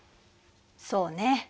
そうね。